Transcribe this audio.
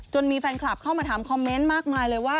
มีแฟนคลับเข้ามาถามคอมเมนต์มากมายเลยว่า